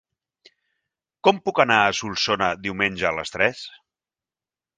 Com puc anar a Solsona diumenge a les tres?